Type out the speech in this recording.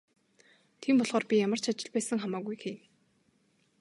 Тийм болохоор би ямар ч ажил байсан хамаагүй хийнэ.